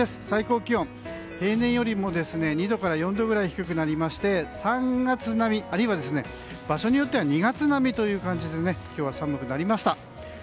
最高気温平年よりも２度から４度ぐらい低くなりまして、３月並みあるいは場所によっては２月並みという感じで今日は寒くなりました。